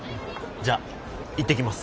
じゃあ行ってきます。